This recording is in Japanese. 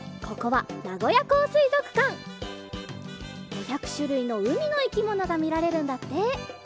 ５００しゅるいのうみのいきものがみられるんだって。